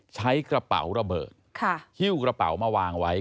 ใช้กระเป๋าระเบิดฮิ้วกระเป๋ามาวางไว้